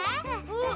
うっ？